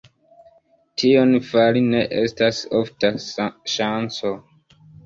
Tion fari ne estas ofta ŝanco.